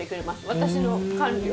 私の管理を。